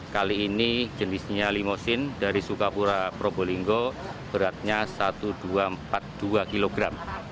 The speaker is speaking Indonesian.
kali ini jenisnya limosin dari sukapura probolinggo beratnya satu dua ratus empat puluh dua kilogram